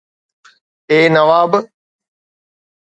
اي Nawab